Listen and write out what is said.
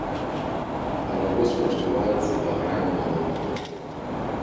Але вось перабіваецца ігранне на новы тон.